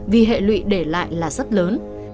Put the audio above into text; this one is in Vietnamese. vì hệ lụy để lại là rất lớn